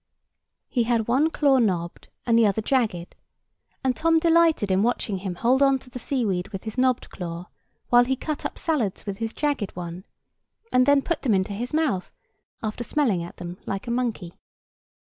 He had one claw knobbed and the other jagged; and Tom delighted in watching him hold on to the seaweed with his knobbed claw, while he cut up salads with his jagged one, and then put them into his mouth, after smelling at them, like a monkey.